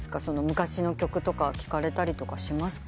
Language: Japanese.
昔の曲とか聴いたりしますか？